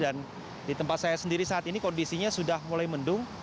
dan di tempat saya sendiri saat ini kondisinya sudah mulai mendung